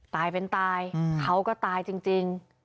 ตายเป็นตายเขาก็ตายจริง